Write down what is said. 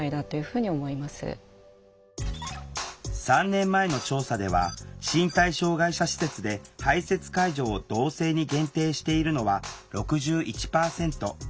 ３年前の調査では身体障害者施設で排せつ介助を同性に限定しているのは６１％。